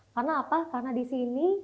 karena apa karena disini